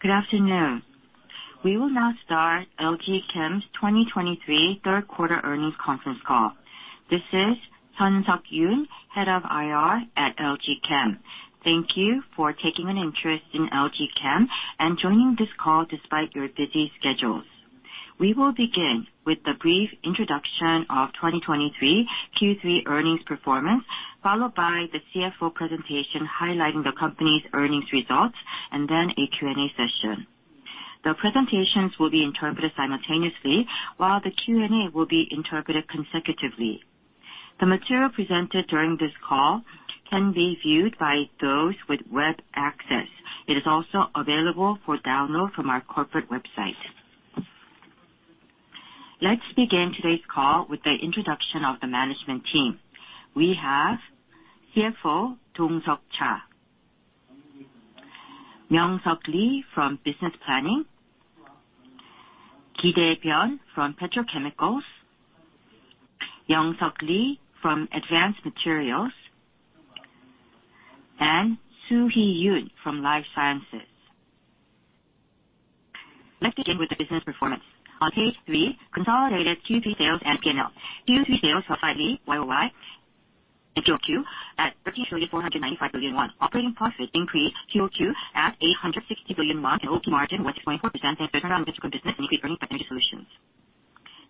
Good afternoon. We will now start LG Chem's 2023 third quarter earnings conference call. This is Hyun-suk Yoon, Head of IR at LG Chem. Thank you for taking an interest in LG Chem and joining this call despite your busy schedules. We will begin with the brief introduction of 2023 Q3 earnings performance, followed by the CFO presentation highlighting the company's earnings results, and then a Q&A session. The presentations will be interpreted simultaneously, while the Q&A will be interpreted consecutively. The material presented during this call can be viewed by those with web access. It is also available for download from our corporate website. Let's begin today's call with the introduction of the management team. We have CFO, Dong Seok Cha, Myeong Suk Lee from Business Planning, Ki-dae Byun from Petrochemicals, Young-suk Lee from Advanced Materials, and So-Hee Yoon from Life Sciences. Let's begin with the business performance. On page three, consolidated Q3 sales and P&L. Q3 sales were slightly YOY in QoQ at 13.495 trillion won. Operating profit increased QOQ at 860 billion won, and OP margin was 0.4% in business solutions.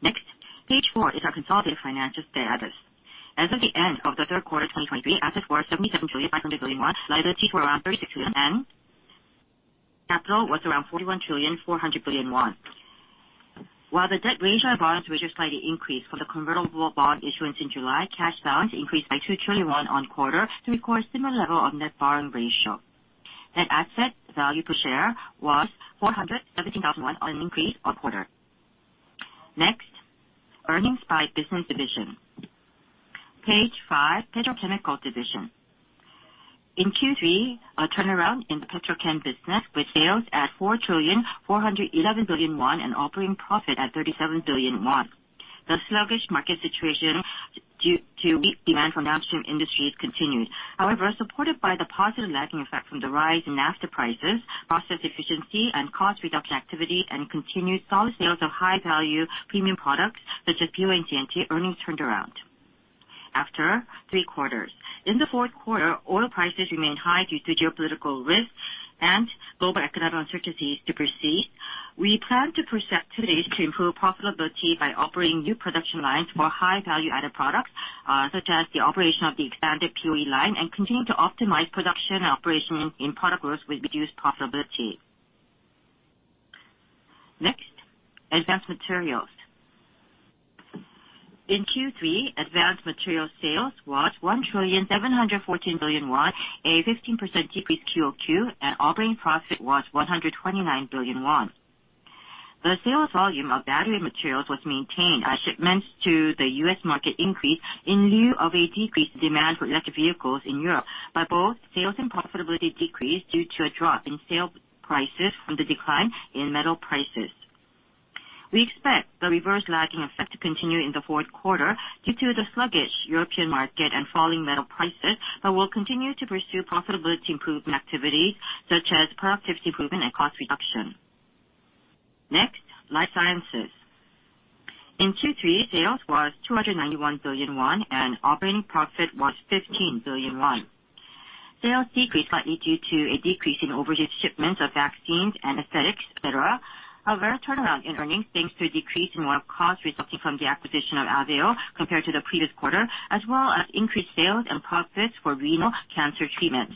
Next, page four is our consolidated financial status. As of the end of the third quarter of 2023, assets were 77.5 trillion won, liabilities were around 36 trillion, and capital was around 41.4 trillion won. While the debt ratio and balance, which is slightly increased from the convertible bond issuance in July, cash balance increased by 2 trillion on quarter to record a similar level of net borrowing ratio. Net asset value per share was 417,000 won, on increase on quarter. Next, earnings by business division. Page 5 five, Petrochemicals division. In Q3, a turnaround in the Petrochem business, with sales at 4.411 trillion, and operating profit at 37 billion won. The sluggish market situation due to weak demand from downstream industries continued. However, supported by the positive lagging effect from the rise in Naphtha prices, process efficiency and cost reduction activity, and continued solid sales of high-value premium products such as POE and CNT, earnings turned around after three quarters. In the fourth quarter, oil prices remain high due to geopolitical risks and global economic uncertainties to proceed. We plan to proceed activities to improve profitability by operating new production lines for high value-added products, such as the operation of the expanded POE line and continue to optimize production and operation in product groups with reduced profitability. Next, Advanced Materials. In Q3, advanced materials sales was 1,714 billion won, a 15% decrease QoQ, and operating profit was 129 billion won. The sales volume of battery materials was maintained as shipments to the U.S. market increased in lieu of a decreased demand for electric vehicles in Europe, but both sales and profitability decreased due to a drop in sales prices from the decline in metal prices. We expect the reverse lagging effect to continue in the fourth quarter due to the sluggish European market and falling metal prices, but we'll continue to pursue profitability improvement activity such as productivity improvement and cost reduction. Next, Life Sciences. In Q3, sales was 291 billion won, and operating profit was 15 billion won. Sales decreased slightly due to a decrease in overseas shipments of vaccines, anesthetics, et cetera. However, a turnaround in earnings, thanks to a decrease in one-off costs resulting from the acquisition of AVEO compared to the previous quarter, as well as increased sales and profits for renal cancer treatments.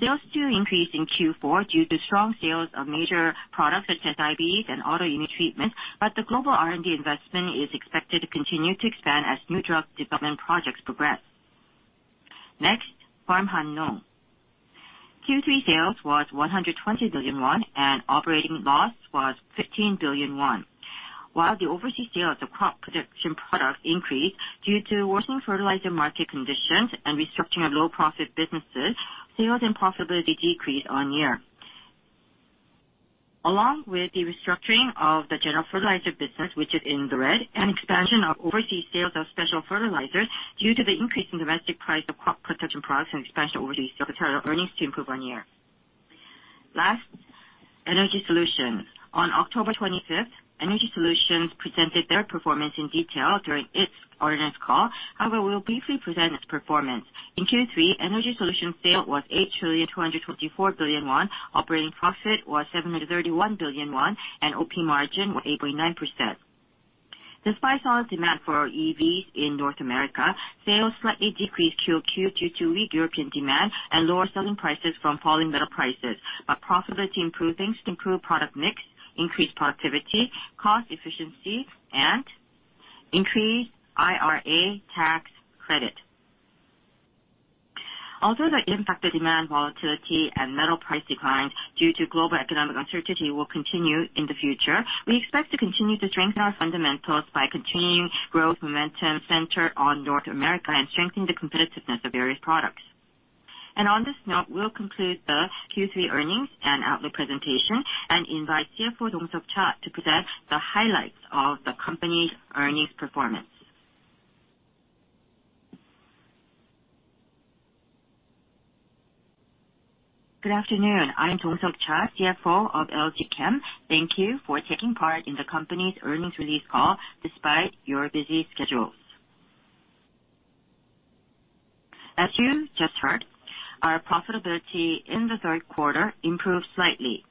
Sales do increase in Q4 due to strong sales of major products such as IVs and autoimmune treatments, but the global R&D investment is expected to continue to expand as new drug development projects progress. Next, Farm Hannong. Q3 sales was 120 billion won, and operating loss was 15 billion won. While the overseas sales of crop protection products increased due to worsening fertilizer market conditions and restructuring of low profit businesses, sales and profitability decreased on year. Along with the restructuring of the general fertilizer business, which is in the red, and expansion of overseas sales of special fertilizers due to the increase in domestic price of crop protection products and expansion overseas, total earnings to improve on year. Last, Energy Solutions. On October 25, Energy Solutions presented their performance in detail during its earnings call. However, we will briefly present its performance. In Q3, Energy Solutions sale was 8,224 billion won. Operating profit was 731 billion won, and OP margin was 8.9%. Despite solid demand for our EVs in North America, sales slightly decreased quarter-over-quarter due to weak European demand and lower selling prices from falling metal prices. Profitability improvements to improve product mix, increase productivity, cost efficiency, and increase IRA tax credit. Although the impact of demand volatility and metal price declines due to global economic uncertainty will continue in the future, we expect to continue to strengthen our fundamentals by continuing growth momentum centered on North America and strengthening the competitiveness of various products. On this note, we'll conclude the Q3 earnings and outlook presentation and invite CFO Dong Seok Cha to present the highlights of the company's earnings performance. Good afternoon. I'm Dong Seok Cha, CFO of LG Chem. Thank you for taking part in the company's earnings release call despite your busy schedules. As you just heard, our profitability in the third quarter improved slightly,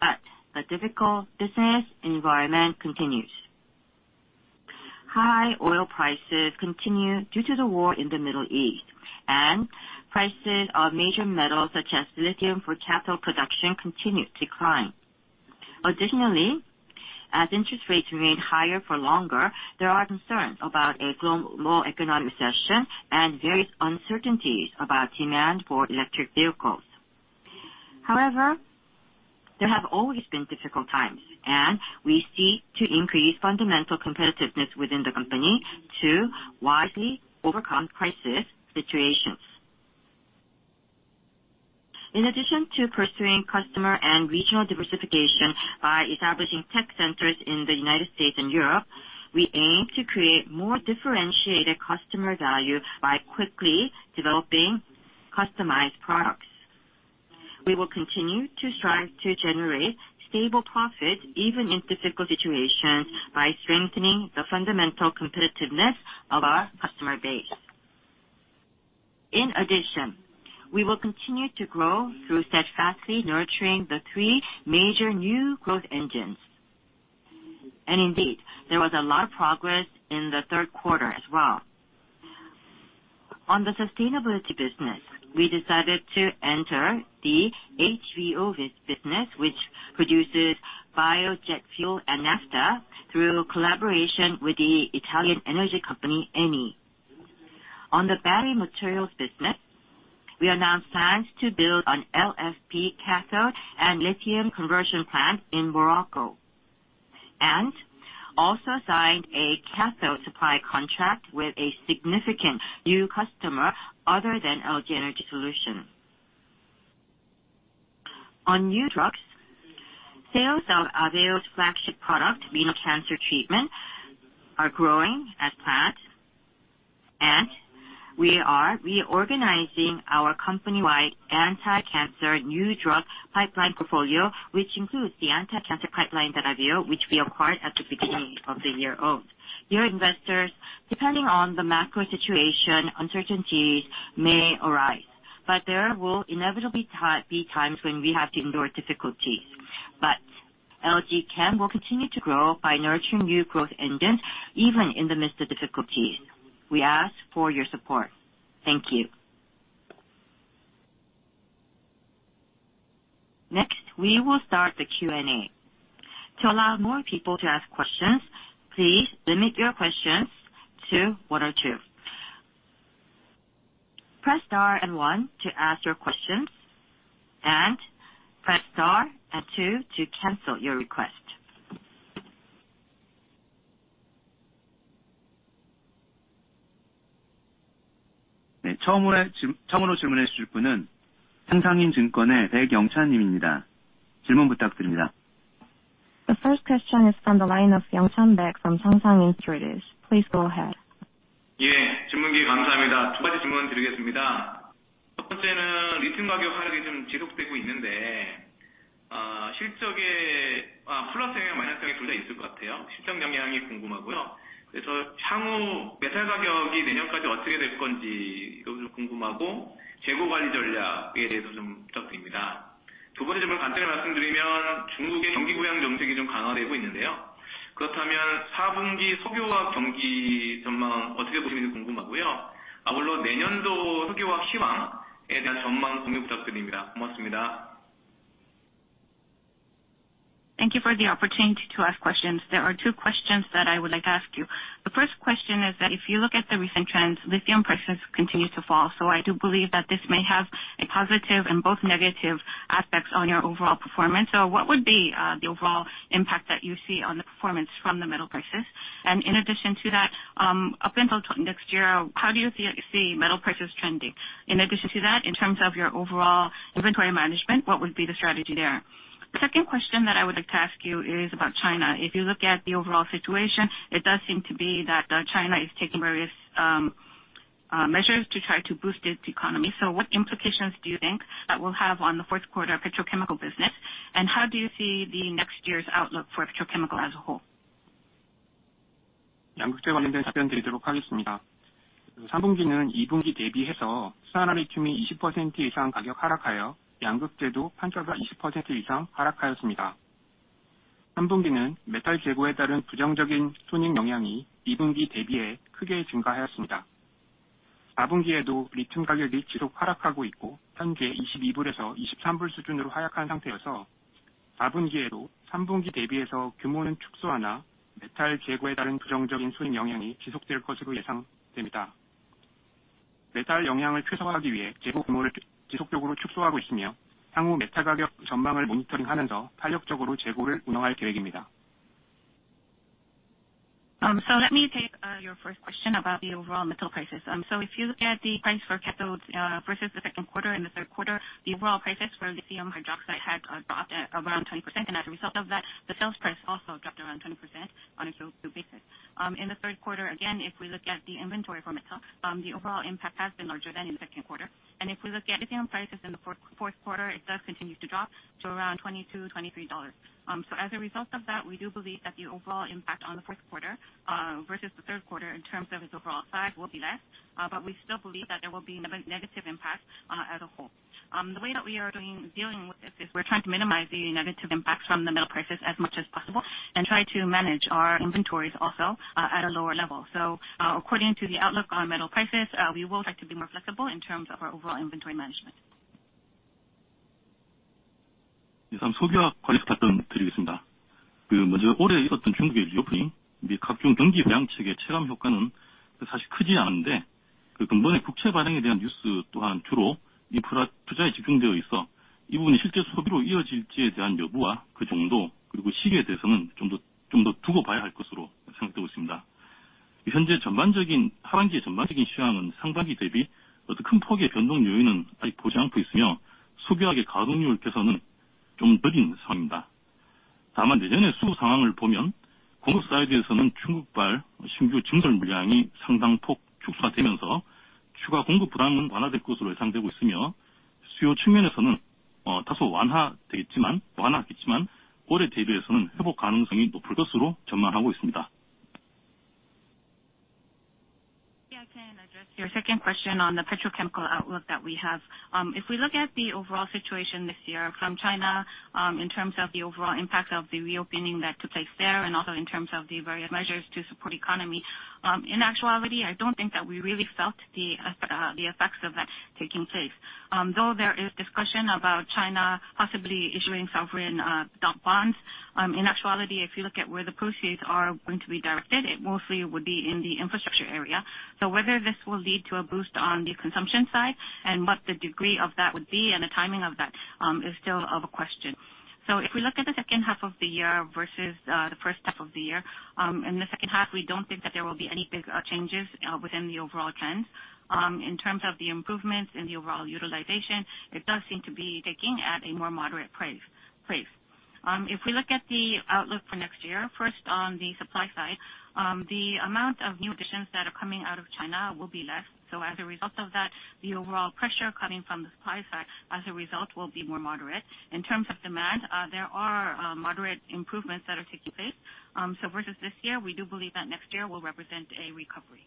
but the difficult business environment continues. High oil prices continue due to the war in the Middle East, and prices of major metals, such as lithium for cathode production, continue to climb. Additionally, as interest rates remain higher for longer, there are concerns about a global economic recession and various uncertainties about demand for electric vehicles. However, there have always been difficult times, and we seek to increase fundamental competitiveness within the company to wisely overcome crisis situations. In addition to pursuing customer and regional diversification by establishing tech centers in the United States and Europe, we aim to create more differentiated customer value by quickly developing customized products. We will continue to strive to generate stable profits, even in difficult situations, by strengthening the fundamental competitiveness of our customer base. In addition, we will continue to grow through steadfastly nurturing the three major new growth engines. Indeed, there was a lot of progress in the third quarter as well. On the sustainability business, we decided to enter the HVO business, which produces biojet fuel and naphtha, through collaboration with the Italian energy company, Eni. On the battery materials business, we announced plans to build an LFP cathode and lithium conversion plant in Morocco, and also signed a cathode supply contract with a significant new customer other than LG Energy Solution. On new drugs, sales of AVEO's flagship product, renal cancer treatment, are growing as planned, and we are reorganizing our company-wide anti-cancer new drug pipeline portfolio, which includes the anti-cancer pipeline that AVEO, which we acquired at the beginning of the year, owns. Dear investors, depending on the macro situation, uncertainties may arise, but there will inevitably be times when we have to endure difficulties. But LG Chem will continue to grow by nurturing new growth engines, even in the midst of difficulties. We ask for your support. Thank you. Next, we will start the Q&A. To allow more people to ask questions, please limit your questions to one or two. Press star and one to ask your questions, and press star and two to cancel your request. The first question is from the line of Young Chan Baek from Sangsangin Securities. Please go ahead. Thank you for the opportunity to ask questions. There are two questions that I would like to ask you. The first question is that if you look at the recent trends, lithium prices continue to fall. So I do believe that this may have a positive and both negative aspects on your overall performance. So what would be the overall impact that you see on the performance from the metal prices? And in addition to that, up until next year, how do you see metal prices trending? In addition to that, in terms of your overall inventory management, what would be the strategy there? The second question that I would like to ask you is about China. If you look at the overall situation, it does seem to be that China is taking various measures to try to boost its economy. So what implications do you think that will have on the fourth quarter petrochemical business? The way that we are doing dealing with this is we're trying to minimize the negative impacts from the metal prices as much as possible, and try to manage our inventories also at a lower level. So according to the outlook on metal prices, we will like to be more flexible in terms of our overall inventory management. Yeah, I can address your second question on the petrochemical outlook that we have. If we look at the overall situation this year from China, in terms of the overall impact of the reopening that took place there, and also in terms of the various measures to support economy. In actuality, I don't think that we really felt the effects of that taking place. Though there is discussion about China possibly issuing sovereign bond funds. In actuality, if you look at where the proceeds are going to be directed, it mostly would be in the infrastructure area. So whether this will lead to a boost on the consumption side, and what the degree of that would be, and the timing of that, is still of a question. So if we look at the second half of the year versus the first half of the year, in the second half, we don't think that there will be any big changes within the overall trend. In terms of the improvements in the overall utilization, it does seem to be taking at a more moderate pace. If we look at the outlook for next year, first on the supply side, the amount of new additions that are coming out of China will be less. So as a result of that, the overall pressure coming from the supply side, as a result, will be more moderate. In terms of demand, there are moderate improvements that are taking place. So versus this year, we do believe that next year will represent a recovery.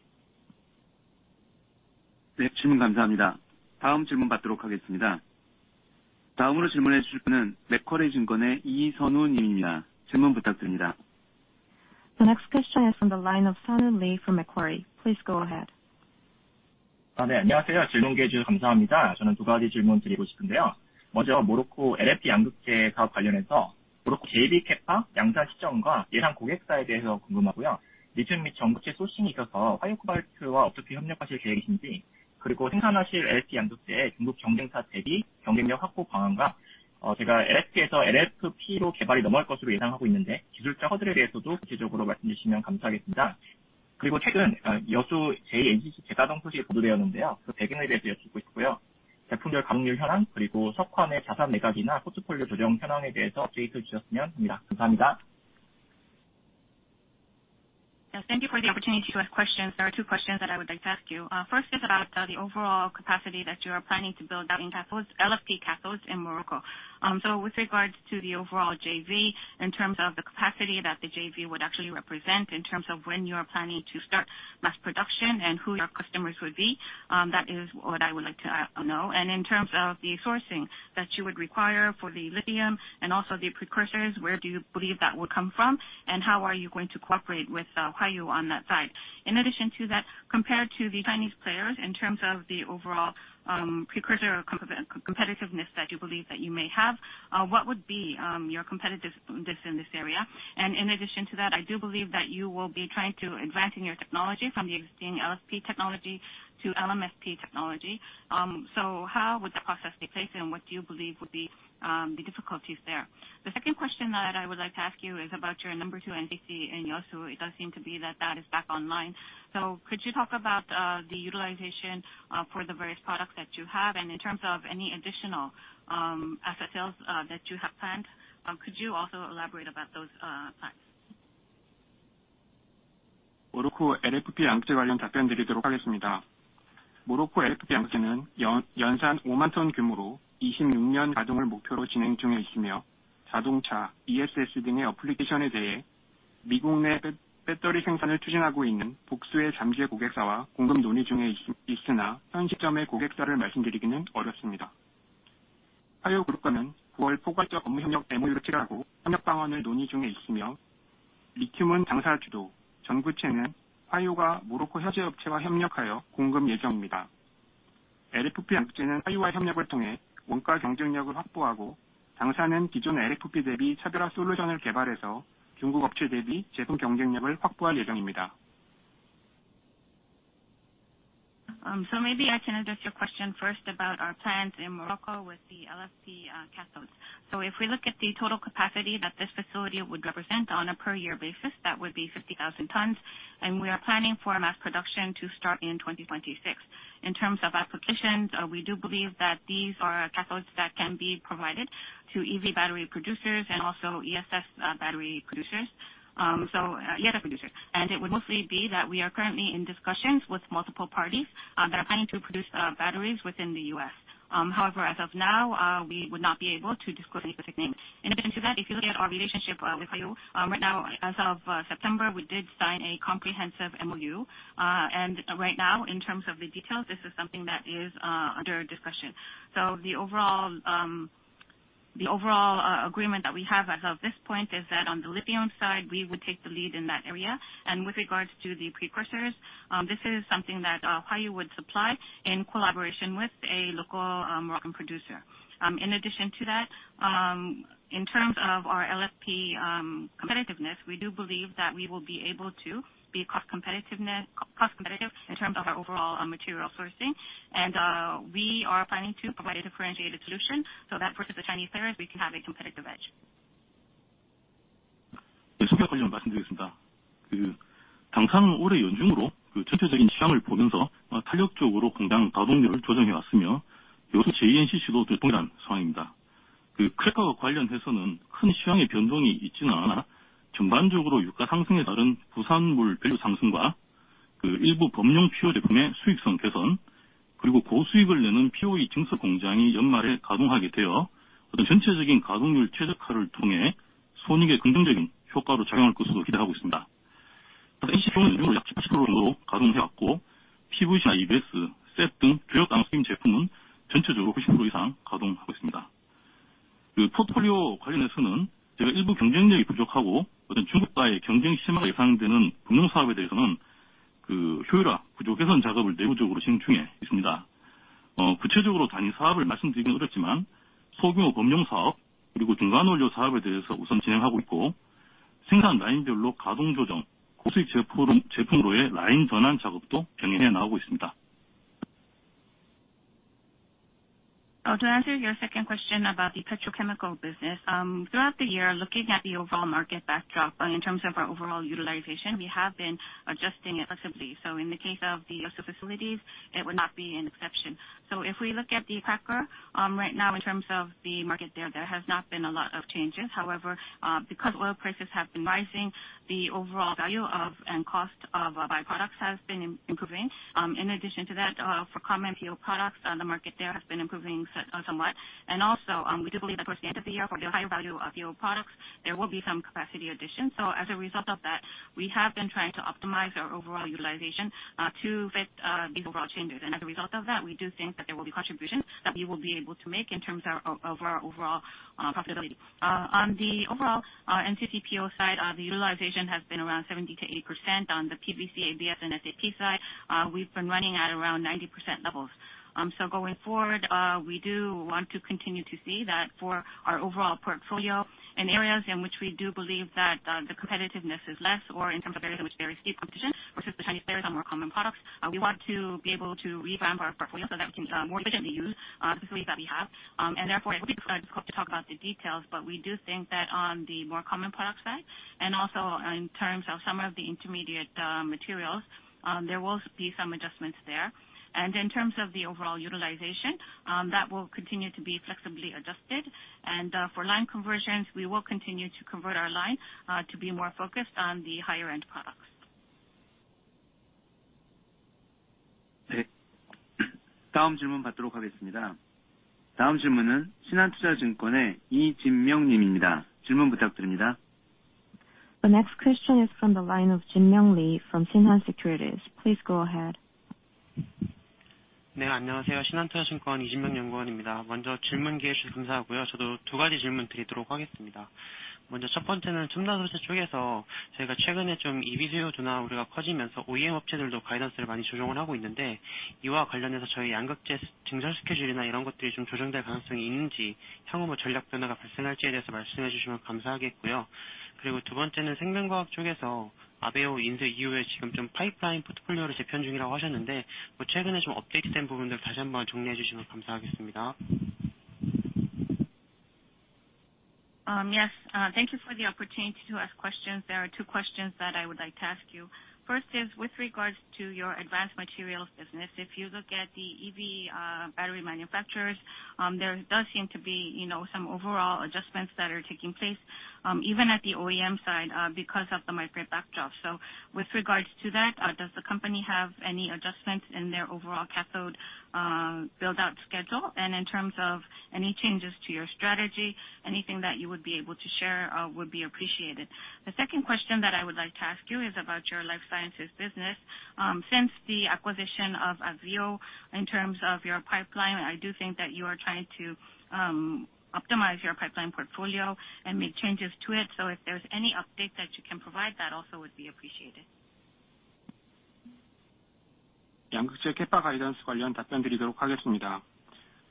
The next question is from the line of Simon Lee from Macquarie. Please go ahead. Thank you for the opportunity to ask questions. There are two questions that I would like to ask you. First is about the overall capacity that you are planning to build out in cathodes, LFP cathodes in Morocco. So with regards to the overall JV, in terms of the capacity that the JV would actually represent, in terms of when you are planning to start mass production and who your customers would be, that is what I would like to know. And in terms of the sourcing that you would require for the lithium and also the precursors, where do you believe that would come from? And how are you going to cooperate with Huayou on that side? In addition to that, compared to the Chinese players, in terms of the overall, precursor competitiveness that you believe that you may have, what would be your competitiveness in this area? And in addition to that, I do believe that you will be trying to advancing your technology from the existing So maybe I can address your question first about our plans in Morocco with the LFP cathodes. So if we look at the total capacity that this facility would represent on a per year basis, that would be 50,000 tons, and we are planning for mass production to start in 2026. In terms of applications, we do believe that these are cathodes that can be provided to EV battery producers and also ESS battery producers. So, yeah, the producer, and it would mostly be that we are currently in discussions with multiple parties that are planning to produce batteries within the US. However, as of now, we would not be able to disclose any specific names. In addition to that, if you look at our relationship with Huayou, right now, as of September, we did sign a comprehensive MOU. Right now, in terms of the details, this is something that is under discussion. So the overall agreement that we have as of this point is that on the lithium side, we would take the lead in that area. And with regards to the precursors, this is something that Huayou would supply in collaboration with a local Moroccan producer. In addition to that, in terms of our LFP competitiveness, we do believe that we will be able to be cost competitive in terms of our overall material sourcing. We are planning to provide a differentiated solution so that versus the Chinese players, we can have a competitive edge. To answer your second question about the petrochemical business, throughout the year, looking at the overall market backdrop, in terms of our overall utilization, we have been adjusting it flexibly. In the case of the facilities, it would not be an exception. If we look at the cracker, right now, in terms of the market there, there has not been a lot of changes. However, because oil prices have been rising, the overall value of, and cost of byproducts has been improving. In addition to that, for common PO products, the market there has been improving somewhat. Also, we do believe that towards the end of the year, for the higher value of PO products, there will be some capacity addition. As a result of that, we have been trying to optimize our overall utilization to fit these overall changes. As a result of that, we do think that there will be contributions that we will be able to make in terms of our overall profitability. On the overall NCC PO side, the utilization has been around 70%-80%. On the PVC, ABS, and SAP side, we've been running at around 90% levels. So going forward, we do want to continue to see that for our overall portfolio in areas in which we do believe that the competitiveness is less, or in terms of areas in which there is steep competition versus the Chinese players on more common products, we want to be able to revamp our portfolio so that we can more efficiently use the facilities that we have. And therefore, I think to talk about the details, but we do think that on the more common product side, and also in terms of some of the intermediate materials, there will be some adjustments there. And in terms of the overall utilization, that will continue to be flexibly adjusted. And for line conversions, we will continue to convert our line to be more focused on the higher end products. The next question is from the line of Jin‑Myung Lee Shinhan Securities. Please go ahead. Yes, thank you for the opportunity to ask questions. There are two questions that I would like to ask you. First is with regards to your advanced materials business. If you look at the EV, battery manufacturers, there does seem to be, you know, some overall adjustments that are taking place, even at the OEM side, because of the macro backdrop. So with regards to that, does the company have any adjustments in their overall cathode, build-out schedule? And in terms of any changes to your strategy, anything that you would be able to share, would be appreciated. The second question that I would like to ask you is about your life sciences business. Since the acquisition of AVEO, in terms of your pipeline, I do think that you are trying to optimize your pipeline portfolio and make changes to it. So if there's any update that you can provide, that also would be appreciated....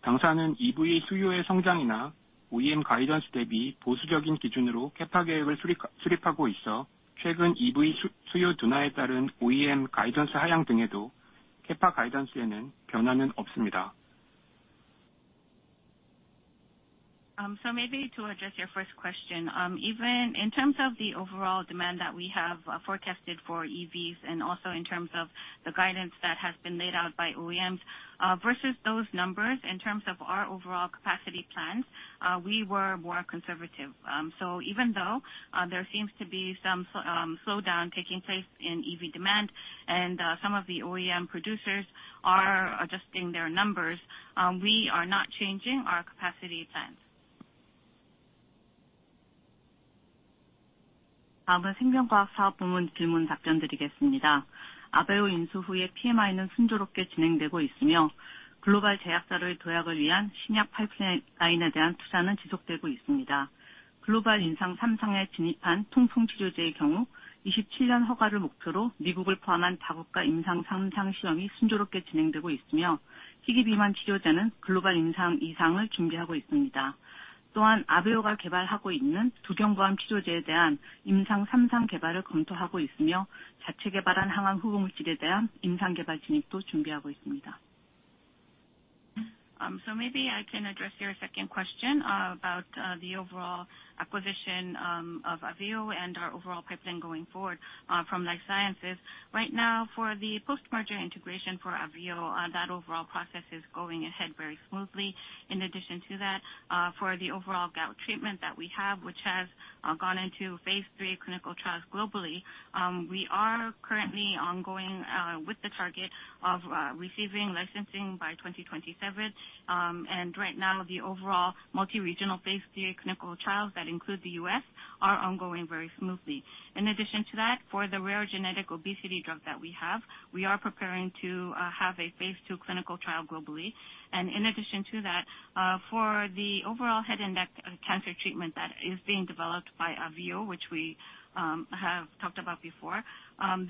당사는 EV 수요의 성장이나 OEM 가이던스 대비 보수적인 기준으로 캐파 계획을 수립하고 있어 최근 EV 수요 둔화에 따른 OEM 가이던스 하향 등에도 캐파 가이던스에는 변화는 없습니다. So maybe to address your first question, even in terms of the overall demand that we have forecasted for EVs and also in terms of the guidance that has been laid out by OEMs, versus those numbers in terms of our overall capacity plans, we were more conservative. So even though there seems to be some slowdown taking place in EV demand and some of the OEM producers are adjusting their numbers, we are not changing our capacity plans. 다음은 생명과학 사업 부문 질문 답변 드리겠습니다. 아베오 인수 후에 PMI는 순조롭게 진행되고 있으며, 글로벌 제약사들 도약을 위한 신약 파이프라인에 대한 투자는 지속되고 있습니다. 글로벌 임상 3상에 진입한 통풍 치료제의 경우 2027년 허가를 목표로 미국을 포함한 다국가 임상 3상 시험이 순조롭게 진행되고 있으며, 희귀비만 치료제는 글로벌 임상 2상을 준비하고 있습니다. 또한 아베오가 개발하고 있는 두경부암 치료제에 대한 임상 3상 개발을 검토하고 있으며, 자체 개발한 항암 후보 물질에 대한 임상 개발 진입도 준비하고 있습니다. So maybe I can address your second question about the overall acquisition of AVEO and our overall pipeline going forward from life sciences. Right now, for the post-merger integration for AVEO, that overall process is going ahead very smoothly. In addition to that, for the overall gout treatment that we have, which has gone into phase III clinical trials globally, we are currently ongoing with the target of receiving licensing by 2027. And right now, the overall multi-regional phase III clinical trials that include the U.S. are ongoing very smoothly. In addition to that, for the rare genetic obesity drug that we have, we are preparing to have a phase II clinical trial globally. In addition to that, for the overall head and neck cancer treatment that is being developed by AVEO, which we have talked about before,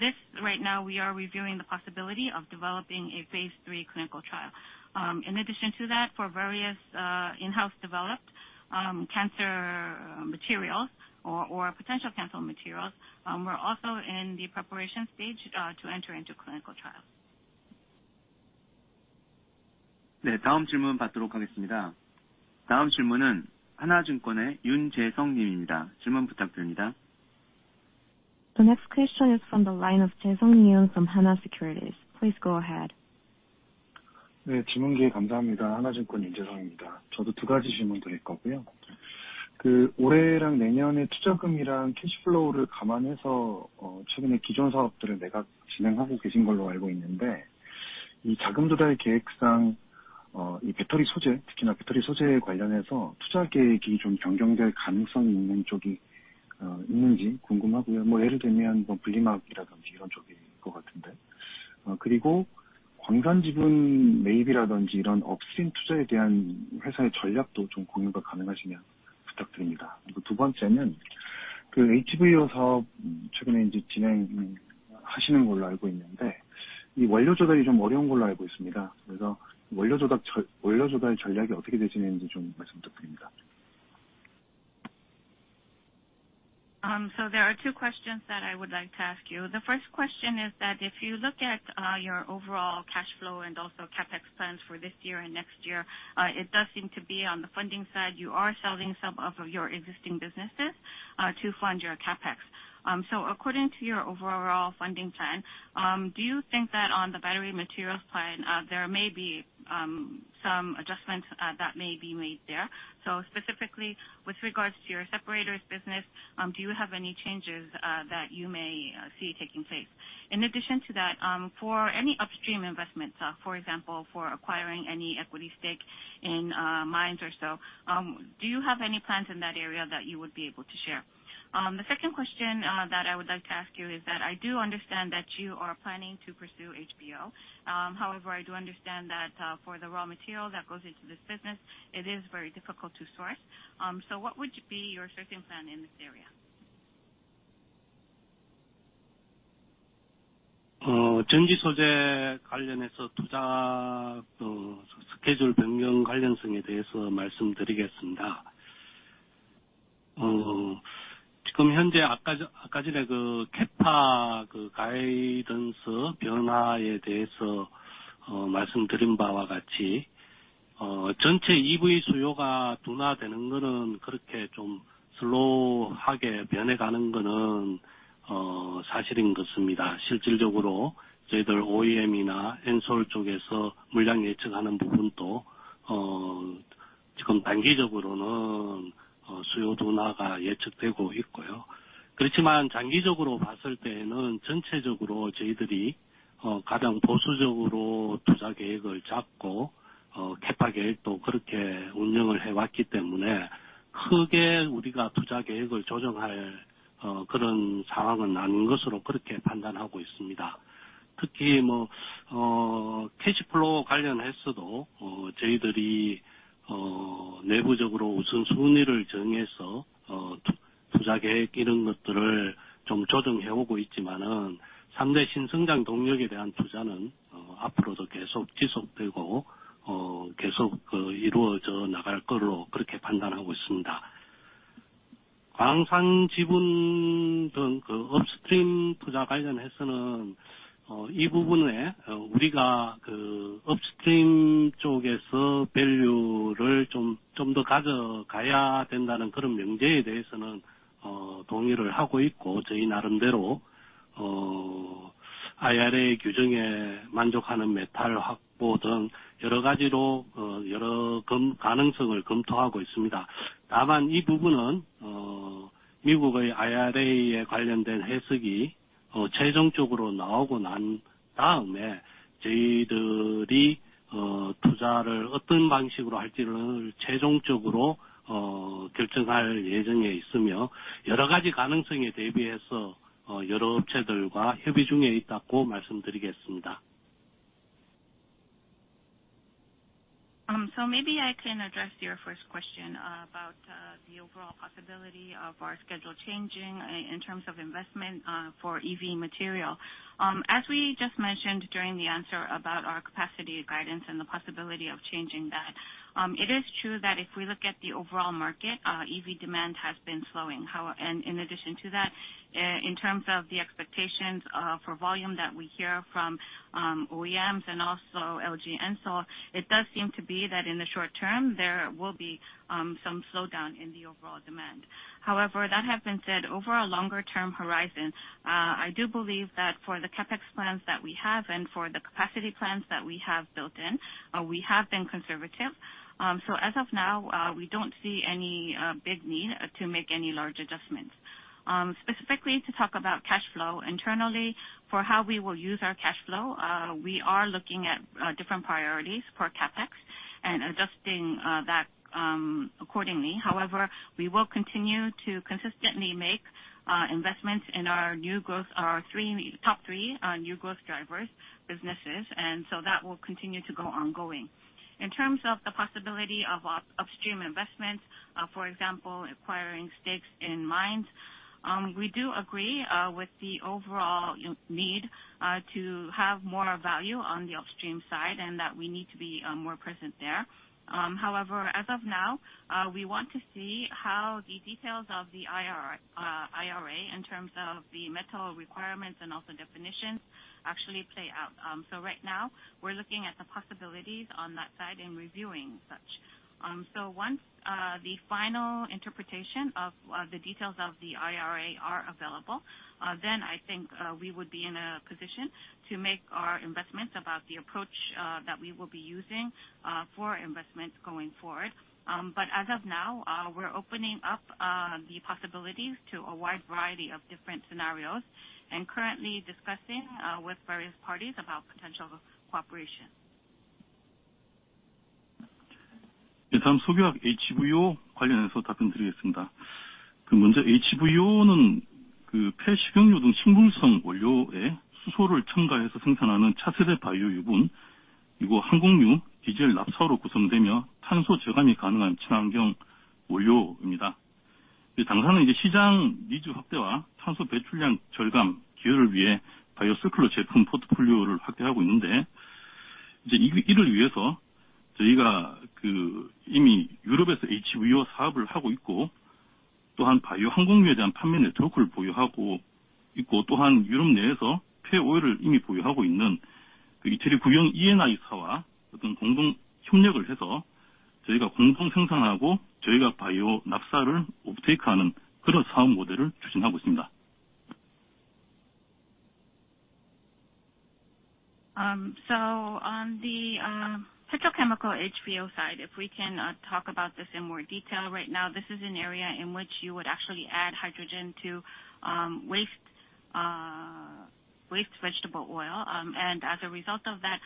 this right now we are reviewing the possibility of developing a phase III clinical trial. In addition to that, for various in-house developed cancer materials or potential cancer materials, we're also in the preparation stage to enter into clinical trials. 네, 다음 질문 받도록 하겠습니다. 다음 질문은 하나증권의 윤재성 님입니다. 질문 부탁드립니다. The next question is from the line of Jae‑Sung Yoon from Hana Securities. Please go ahead. 네, 질문 기회 감사합니다. 하나증권 윤재성입니다. 저도 두 가지 질문드릴 거고요. 그 올해랑 내년에 투자금이랑 캐시플로우를 감안해서, 최근에 기존 사업들을 매각 진행하고 계신 걸로 알고 있는데, 이 자금조달 계획상, 이 배터리 소재, 특히나 배터리 소재 관련해서 투자 계획이 좀 변경될 가능성이 있는 쪽이, 있는지 궁금하고요. 뭐 예를 들면 뭐 분리막이라든지 이런 쪽일 것 같은데. 그리고 광산 지분 매입이라든지, 이런 업스트림 투자에 대한 회사의 전략도 좀 공유가 가능하시면 부탁드립니다. 그리고 두 번째는 그 HVO 사업 최근에 이제 진행하시는 걸로 알고 있는데, 이 원료 조달이 좀 어려운 걸로 알고 있습니다. 그래서 원료 조달, 원료 조달 전략이 어떻게 되시는지 좀 말씀 부탁드립니다. So there are two questions that I would like to ask you. The first question is that if you look at your overall cash flow and also CapEx plans for this year and next year, it does seem to be on the funding side. You are selling some of your existing businesses to fund your CapEx. So according to your overall funding plan, do you think that on the battery materials plan there may be some adjustments that may be made there? So specifically with regards to your separators business, do you have any changes that you may see taking place? In addition to that, for any upstream investments, for example, for acquiring any equity stake in, mines or so, do you have any plans in that area that you would be able to share? The second question, that I would like to ask you is that I do understand that you are planning to pursue HVO. However, I do understand that, for the raw material that goes into this business, it is very difficult to source. So what would be your sourcing plan in this area? 전기 소재 관련해서 투자, 그, 스케줄 변경 관련성에 대해서 말씀드리겠습니다. 지금 현재 아까 전에 그 캐파, 그, 가이던스 변화에 대해서, 말씀드린 바와 같이, 전체 EV 수요가 둔화되는 거는 그렇게 좀 슬로우하게 변해가는 거는, 사실인 같습니다. 실질적으로 저희들 OEM이나 엔솔 쪽에서 물량 예측하는 부분도, 지금 단기적으로는, 수요 둔화가 예측되고 있고요. 그렇지만 장기적으로 봤을 때에는 전체적으로 저희들이, 가장 보수적으로 투자 계획을 잡고, 캐파 계획도 그렇게 운영을 해왔기 때문에 크게 우리가 투자 계획을 조정할, 그런 상황은 아닌 것으로 그렇게 판단하고 있습니다. 특히 뭐, 캐시플로우 관련해서도, 저희들이... ...내부적으로 우선 순위를 정해서, 투- 투자 계획 이런 것들을 좀 조정해 오고 있지만은 3대 신성장 동력에 대한 투자는, 앞으로도 계속 지속되고, 계속 그 이루어져 나갈 걸로 그렇게 판단하고 있습니다. 광산 지분 등그 업스트림 투자 관련해서는, 이 부분에, 우리가 그 업스트림 쪽에서 밸류를 좀, 좀더 가져가야 된다는 그런 명제에 대해서는, 동의를 하고 있고, 저희 나름대로, IRA 규정에 만족하는 메탈 확보 등 여러 가지로, 여러 검, 가능성을 검토하고 있습니다. 다만, 이 부분은, 미국의 IRA에 관련된 해석이, 최종적으로 나오고 난 다음에 저희들이, 투자를 어떤 방식으로 할지를 최종적으로, 결정할 예정에 있으며, 여러 가지 가능성에 대비해서, 여러 업체들과 협의 중에 있다고 말씀드리겠습니다. So maybe I can address your first question about the overall possibility of our schedule changing in terms of investment for EV material. As we just mentioned during the answer about our capacity guidance and the possibility of changing that, it is true that if we look at the overall market, EV demand has been slowing. And in addition to that, in terms of the expectations for volume that we hear from OEMs and also LG and so on, it does seem to be that in the short term, there will be some slowdown in the overall demand. However, that has been said, over a longer term horizon, I do believe that for the CapEx plans that we have and for the capacity plans that we have built in, we have been conservative. So as of now, we don't see any big need to make any large adjustments. Specifically to talk about cash flow internally, for how we will use our cash flow, we are looking at different priorities for CapEx and adjusting that accordingly. However, we will continue to consistently make investments in our new growth, our three, top three, new growth drivers businesses, and so that will continue to go ongoing. In terms of the possibility of upstream investments, for example, acquiring stakes in mines, we do agree with the overall need to have more value on the upstream side and that we need to be more present there. However, as of now, we want to see how the details of the IRA in terms of the metal requirements and also definitions actually play out. So right now we're looking at the possibilities on that side and reviewing such. So once the final interpretation of the details of the IRA are available, then I think we would be in a position to make our investments about the approach that we will be using for investments going forward. But as of now, we're opening up the possibilities to a wide variety of different scenarios and currently discussing with various parties about potential cooperation. 예, 다음 질문에 HVO 관련해서 답변드리겠습니다. 그 먼저 HVO는 그 폐식용유 등 식물성 원료에 수소를 첨가해서 생산하는 차세대 바이오 유분, 그리고 항공유, 디젤 납사로 구성되며 탄소 저감이 가능한 친환경 원료입니다. 당사는 이제 시장 니즈 확대와 탄소 배출량 절감 기여를 위해 바이오 서큘러 제품 포트폴리오를 확대하고 있는데, 이제 이를 위해서 저희가 그 이미 유럽에서 HVO 사업을 하고 있고, 또한 바이오 항공유에 대한 판매 네트워크를 보유하고 있고, 또한 유럽 내에서 폐오일을 이미 보유하고 있는 이탈리아 구형 Eni사와 어떤 공동 협력을 해서 저희가 공동 생산하고, 저희가 바이오 납사를 옵테이크하는 그런 사업 모델을 추진하고 있습니다. On the petrochemical HVO side, if we can talk about this in more detail, right now this is an area in which you would actually add hydrogen to waste vegetable oil, and as a result of that,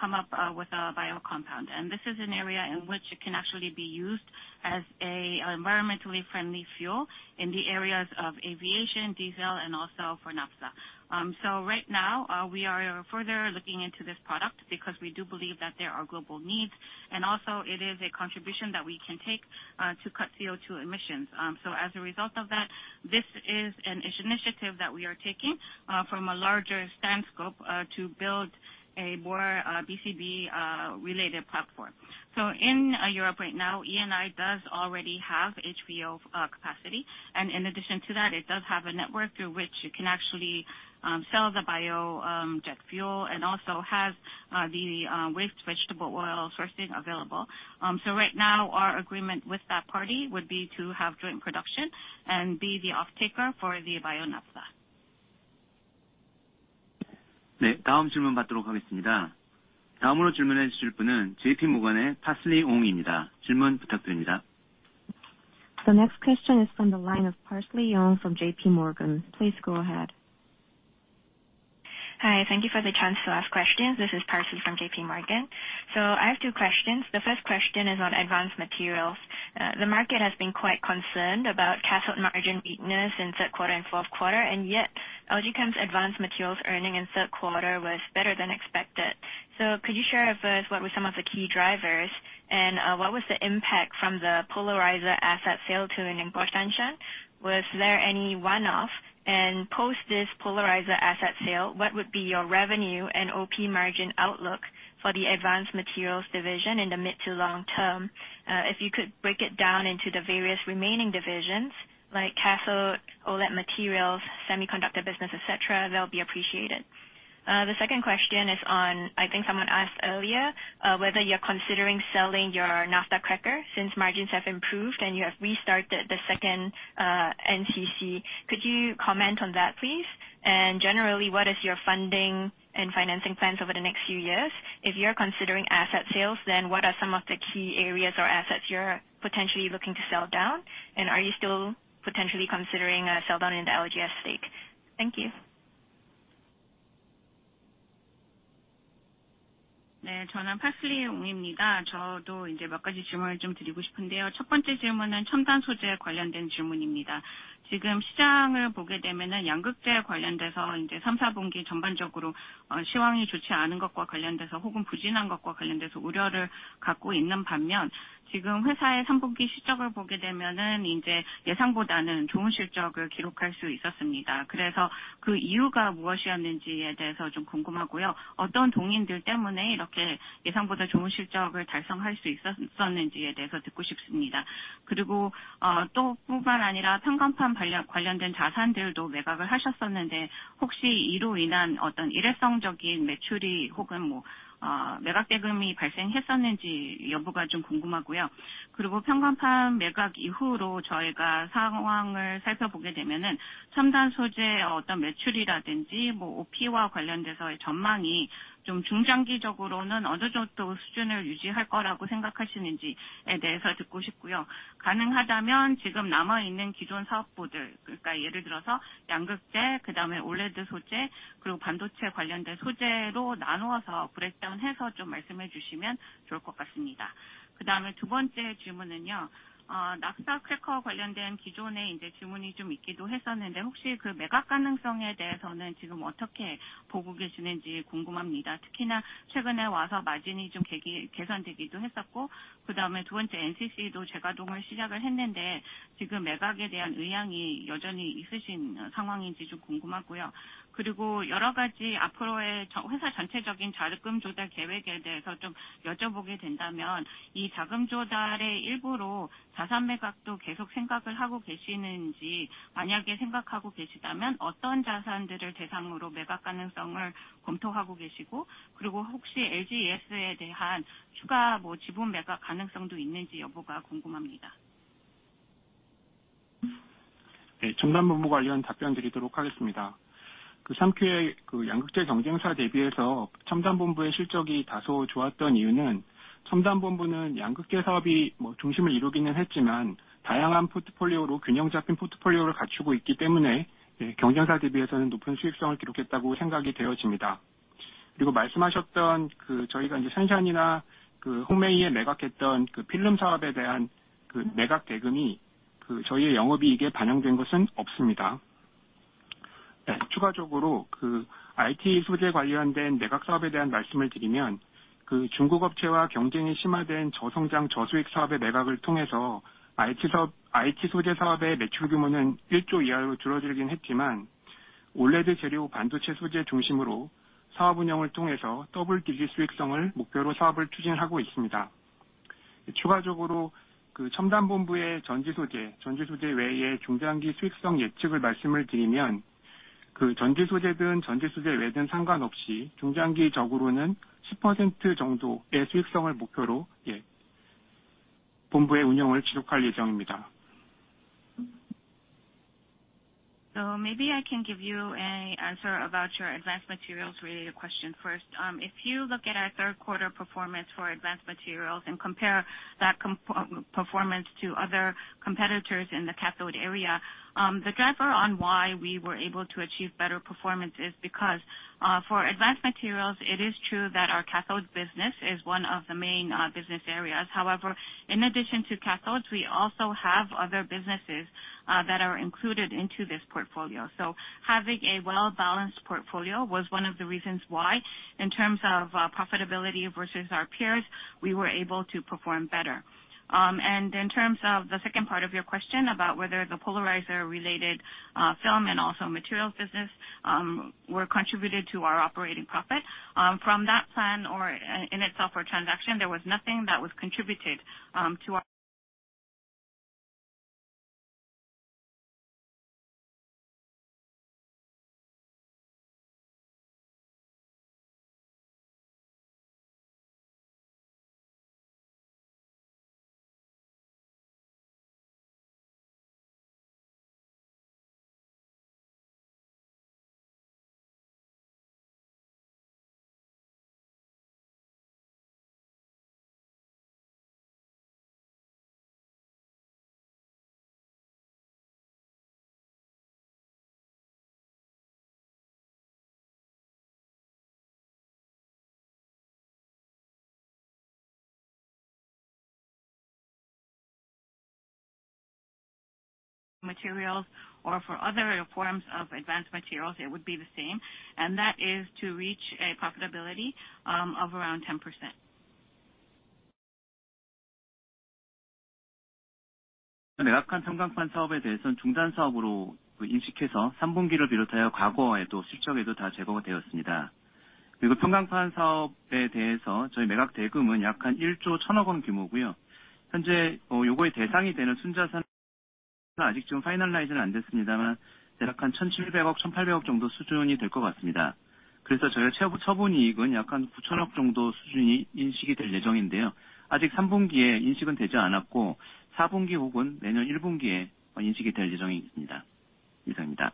come up with a bio compound. This is an area in which it can actually be used as an environmentally friendly fuel in the areas of aviation, diesel, and also for naphtha. Right now, we are further looking into this product because we do believe that there are global needs, and also it is a contribution that we can take to cut CO2 emissions. As a result of that, this is an initiative that we are taking from a larger stand scope to build a more BCB-related platform. So in Europe right now, Eni does already have HVO capacity. And in addition to that, it does have a network through which you can actually sell the bio jet fuel, and also has the waste vegetable oil sourcing available. So right now, our agreement with that party would be to have joint production and be the offtaker for the bio naphtha. 네, 다음 질문 받도록 하겠습니다. 다음으로 질문해 주실 분은 JP Morgan의 Parsley Ong입니다. 질문 부탁드립니다. The next question is from the line of Parsley Ong from JPMorgan. Please go ahead. ...Hi, thank you for the chance to ask questions. This is Parsley from JPMorgan. So I have two questions. The first question is on advanced materials. The market has been quite concerned about cathode margin weakness in third quarter and fourth quarter, and yet LG Chem's advanced materials earning in third quarter was better than expected. So could you share with us what were some of the key drivers? And what was the impact from the polarizer asset sale to Ningbo Shanshan? Was there any one-off, and post this polarizer asset sale, what would be your revenue and OP margin outlook for the advanced materials division in the mid to long term? If you could break it down into the various remaining divisions like cathode, OLED materials, semiconductor business, et cetera, that'll be appreciated. The second question is on, I think someone asked earlier, whether you're considering selling your naphtha cracker since margins have improved and you have restarted the second NCC. Could you comment on that, please? And generally, what is your funding and financing plans over the next few years? If you're considering asset sales, then what are some of the key areas or assets you're potentially looking to sell down? And are you still potentially considering a sell down in the LGES stake? Thank you. Ne, 저는 Parsley Ong입니다. 저도 이제 몇 가지 질문을 좀 드리고 싶은데요. 첫 번째 질문은 첨단 소재 관련된 질문입니다. 지금 시장을 보게 되면은 양극재 관련돼서 이제 3, 4분기 전반적으로, 시황이 좋지 않은 것과 관련돼서 혹은 부진한 것과 관련돼서 우려를 갖고 있는 반면, 지금 회사의 3분기 실적을 보게 되면은 이제 예상보다는 좋은 실적을 기록할 수 있었습니다. 그래서 그 이유가 무엇이었는지에 대해서 좀 궁금하고요. 어떤 동인들 때문에 이렇게 예상보다 좋은 실적을 달성할 수 있었, 있었는지에 대해서 듣고 싶습니다. 그리고, 또 뿐만 아니라 평광판 관련, 관련된 자산들도 매각을 하셨었는데, 혹시 이로 인한 어떤 일회성적인 매출이 혹은 뭐, 매각 대금이 발생했었는지 여부가 좀 궁금하고요. 그리고 평광판 매각 이후로 저희가 상황을 살펴보게 되면은 첨단 소재 어떤 매출이라든지, 뭐, OP와 관련돼서의 전망이 좀 중장기적으로는 어느 정도 수준을 유지할 거라고 생각하시는지에 대해서 듣고 싶고요. 가능하다면 지금 남아 있는 기존 사업부들, 그러니까 예를 들어서 양극재, 그다음에 OLED 소재, 그리고 반도체 관련된 소재로 나누어서 브레이크다운 해서 좀 말씀해 주시면 좋을 것 같습니다. 그다음에 두 번째 질문은요, naphtha cracker 관련된 기존에 이제 질문이 좀 있기도 했었는데, 혹시 그 매각 가능성에 대해서는 지금 어떻게 보고 계시는지 궁금합니다. 특히나 최근에 와서 마진이 좀 개선되기도 했었고, 그다음에 두 번째 NCC도 재가동을 시작을 했는데, 지금 매각에 대한 의향이 여전히 있으신 상황인지 좀 궁금하고요. 그리고 여러 가지 앞으로의 회사 전체적인 자금 조달 계획에 대해서 좀 여쭤보게 된다면, 이 자금 조달의 일부로 자산 매각도 계속 생각을 하고 계시는지? 만약에 생각하고 계시다면, 어떤 자산들을 대상으로 매각 가능성을 검토하고 계시고, 그리고 혹시 LGES에 대한 추가 지분 매각 가능성도 있는지 여부가 궁금합니다. 네, 첨단 본부 관련 답변 드리도록 하겠습니다. 그 3Q에, 그, 양극재 경쟁사 대비해서 첨단 본부의 실적이 다소 좋았던 이유는 첨단 본부는 양극재 사업이, 뭐, 중심을 이루기는 했지만, 다양한 포트폴리오로 균형 잡힌 포트폴리오를 갖추고 있기 때문에, 예, 경쟁사 대비해서는 높은 수익성을 기록했다고 생각이 되어집니다. 그리고 말씀하셨던, 그, 저희가 이제 Shanshan이나, 그, Hongmei에 매각했던, 그, 필름 사업에 대한, 그, 매각 대금이, 그, 저희의 영업이익에 반영된 것은 없습니다. 예, 추가적으로, 그, IT 소재 관련된 매각 사업에 대한 말씀을 드리면, 그, 중국 업체와 경쟁이 심화된 저성장 저수익 사업의 매각을 통해서 IT 사업, IT 소재 사업의 매출 규모는 KRW 1조 이하로 줄어들긴 했지만, OLED 재료, 반도체 소재 중심으로 사업 운영을 통해서 더블 디지트 수익성을 목표로 사업을 추진하고 있습니다. 추가적으로, 그, 첨단 본부의 전지 소재, 전지 소재 외에 중장기 수익성 예측을 말씀을 드리면, 그, 전지 소재든 전지 소재 외든 상관없이 중장기적으로는 10% 정도의 수익성을 목표로, 예, 본부의 운영을 지속할 예정입니다. So maybe I can give you an answer about your advanced materials related question first. If you look at our third quarter performance for advanced materials and compare that performance to other competitors in the cathode area, the driver on why we were able to achieve better performance is because, for advanced materials, it is true that our cathodes business is one of the main business areas. However, in addition to cathodes, we also have other businesses that are included into this portfolio. So having a well-balanced portfolio was one of the reasons why, in terms of profitability versus our peers, we were able to perform better. And in terms of the second part of your question about whether the polarizer-related film and also materials business were contributed to our operating profit from that plan or in itself or transaction, there was nothing that was contributed to our... ...materials or for other forms of advanced materials, it would be the same, and that is to reach a profitability of around 10%.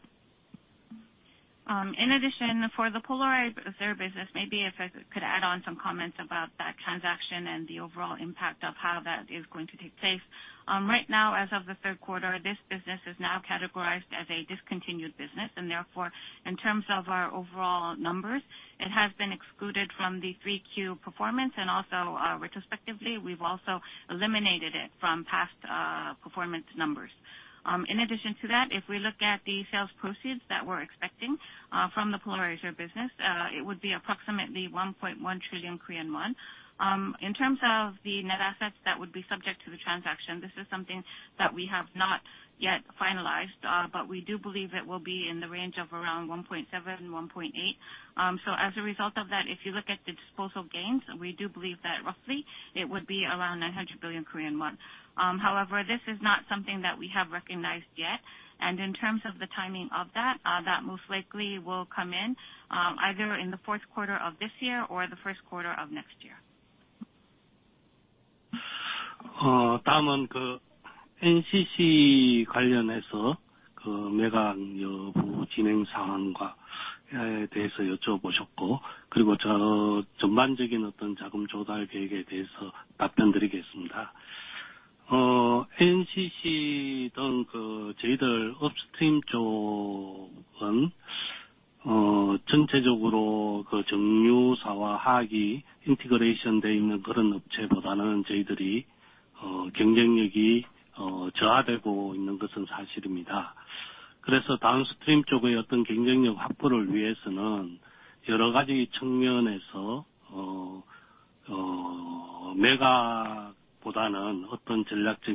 In addition, for the polarizer business, maybe if I could add on some comments about that transaction and the overall impact of how that is going to take place. Right now, as of the third quarter, this business is now categorized as a discontinued business, and therefore, in terms of our overall numbers, it has been excluded from the 3Q performance. Also, retrospectively, we've also eliminated it from past performance numbers. In addition to that, if we look at the sales proceeds that we're expecting from the polarizer business, it would be approximately 1.1 trillion Korean won. In terms of the net assets that would be subject to the transaction, this is something that we have not yet finalized, but we do believe it will be in the range of around 1.7, 1.8. So as a result of that, if you look at the disposal gains, we do believe that roughly it would be around 900 billion Korean won. However, this is not something that we have recognized yet, and in terms of the timing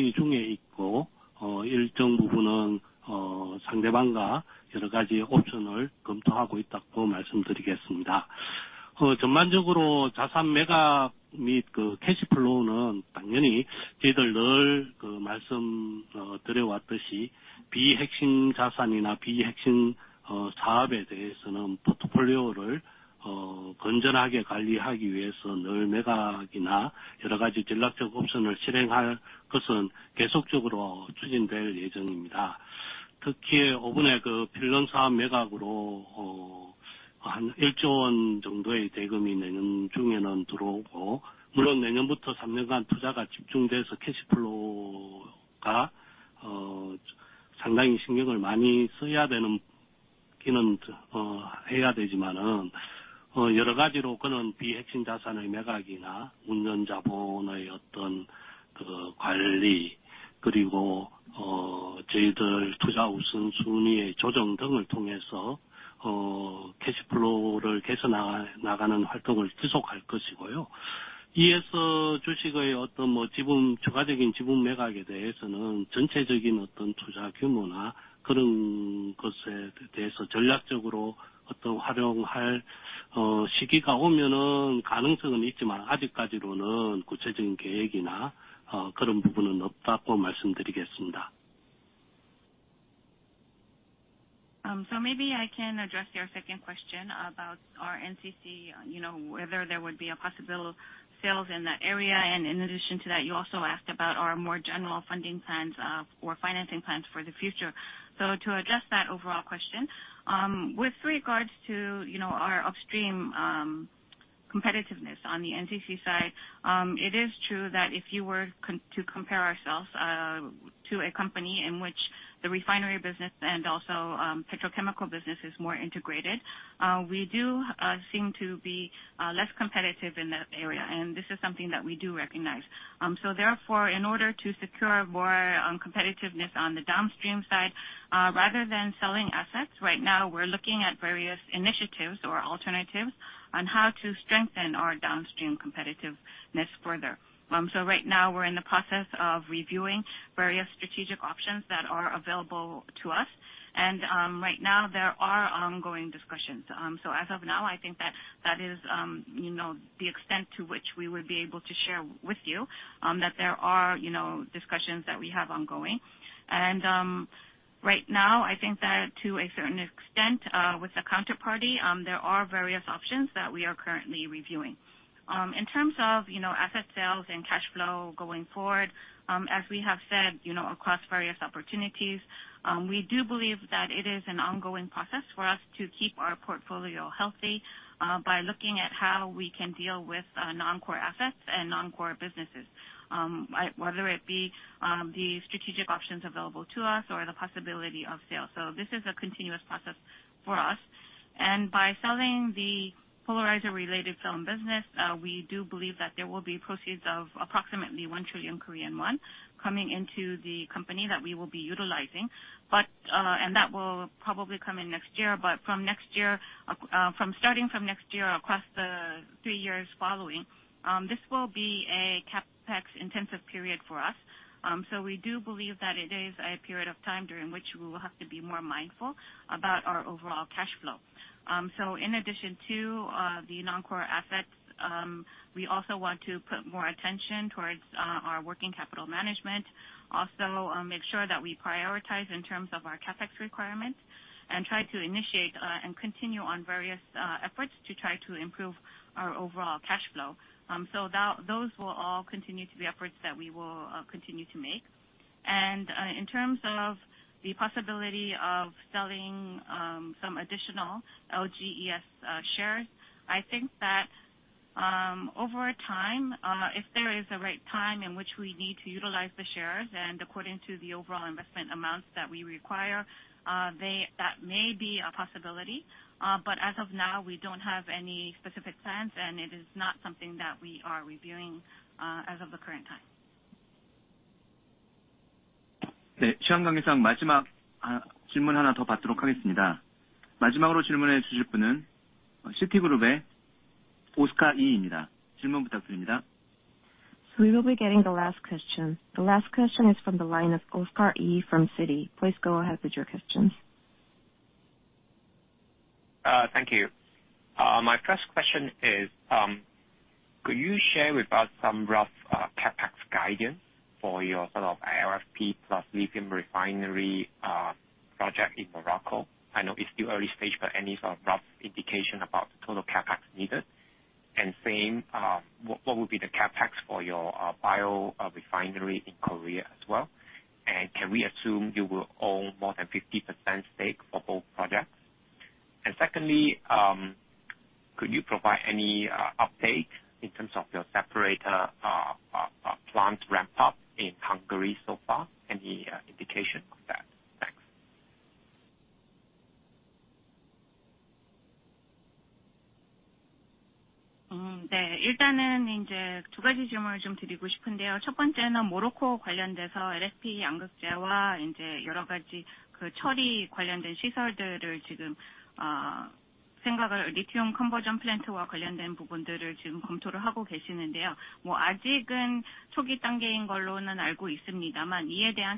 of that, that most likely will come in, either in the fourth quarter of this year or the first quarter of next year. So maybe I can address your second question about our NCC, you know, whether there would be a possible sales in that area. And in addition to that, you also asked about our more general funding plans, or financing plans for the future. So to address that overall question, with regards to, you know, our upstream, competitiveness on the NCC side, it is true that if you were to compare ourselves, to a company in which the refinery business and also, petrochemical business is more integrated, we do, seem to be, less competitive in that area, and this is something that we do recognize. So therefore, in order to secure more competitiveness on the downstream side, rather than selling assets, right now, we're looking at various initiatives or alternatives on how to strengthen our downstream competitiveness further. So right now we're in the process of reviewing various strategic options that are available to us, and, right now, there are ongoing discussions. So as of now, I think that, that is, you know, the extent to which we would be able to share with you, that there are, you know, discussions that we have ongoing. Right now, I think that to a certain extent, with the counterparty, there are various options that we are currently reviewing. In terms of, you know, asset sales and cash flow going forward, as we have said, you know, across various opportunities, we do believe that it is an ongoing process for us to keep our portfolio healthy, by looking at how we can deal with, non-core assets and non-core businesses. Whether it be, the strategic options available to us or the possibility of sale. So this is a continuous process for us. And by selling the polarizer related film business, we do believe that there will be proceeds of approximately 1 trillion Korean won coming into the company that we will be utilizing. That will probably come in next year. From next year, starting from next year across the three years following, this will be a CapEx intensive period for us. We do believe that it is a period of time during which we will have to be more mindful about our overall cash flow. In addition to the non-core assets, we also want to put more attention towards our working capital management. Also, make sure that we prioritize in terms of our CapEx requirements and try to initiate and continue on various efforts to try to improve our overall cash flow. Those will all continue to be efforts that we will continue to make. In terms of the possibility of selling some additional LGES shares, I think that over time, if there is the right time in which we need to utilize the shares, and according to the overall investment amounts that we require, they, that may be a possibility. But as of now, we don't have any specific plans, and it is not something that we are reviewing as of the current time. We will be getting the last question. The last question is from the line of Oscar Yee from Citi. Please go ahead with your questions. Thank you. My first question is, could you share with us some rough CapEx guidance for your sort of LFP plus lithium refinery project in Morocco? I know it's still early stage, but any sort of rough indication about the total CapEx needed? And same, what would be the CapEx for your bio refinery in Korea as well? And can we assume you will own more than 50% stake for both projects? And secondly, could you provide any update in terms of your separator plant ramp up in Hungary so far? Any indication of that? Thanks So, with regards to your question about the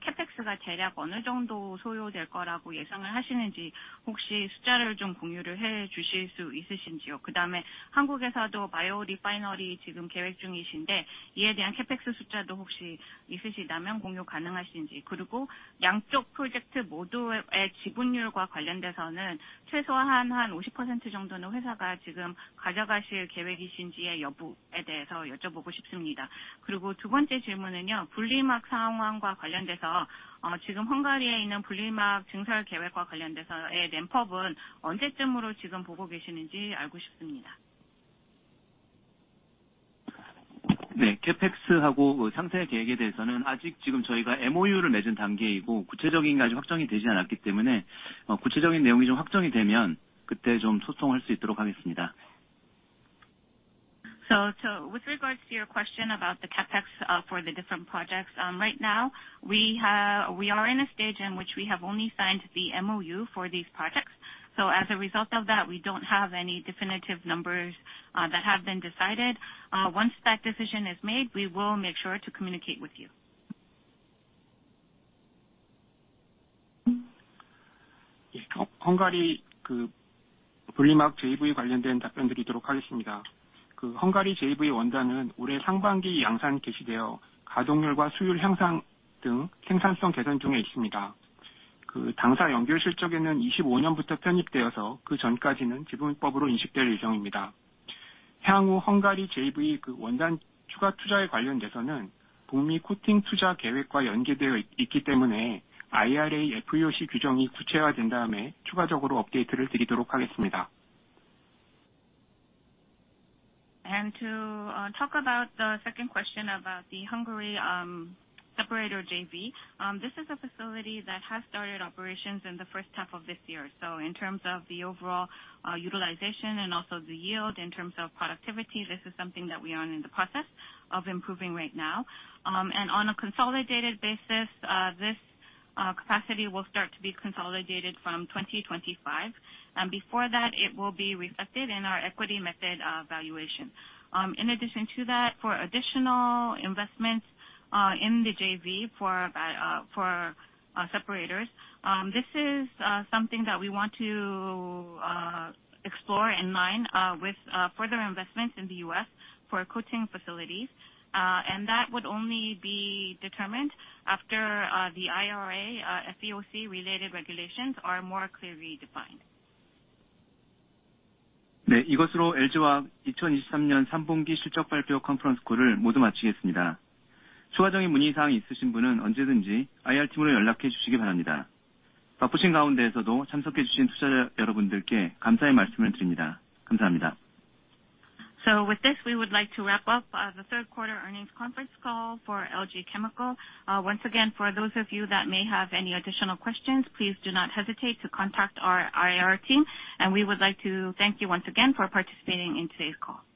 CapEx for the different projects, right now, we have, we are in a stage in which we have only signed the MOU for these projects. So as a result of that, we don't have any definitive numbers that have been decided. Once that decision is made, we will make sure to communicate with you. And to talk about the second question about the Hungary separator JV. This is a facility that has started operations in the first half of this year. So in terms of the overall utilization and also the yield in terms of productivity, this is something that we are in the process of improving right now. And on a consolidated basis, this capacity will start to be consolidated from 2025. Before that, it will be reflected in our equity method valuation. In addition to that, for additional investments in the JV for separators, this is something that we want to explore in line with further investments in the U.S. for coating facilities. That would only be determined after the IRA FEOC related regulations are more clearly defined. With this, we would like to wrap up the third quarter earnings conference call for LG Chem. Once again, for those of you that may have any additional questions, please do not hesitate to contact our IR team, and we would like to thank you once again for participating in today's call.